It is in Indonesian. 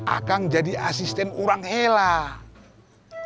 akang jadi asisten orang helak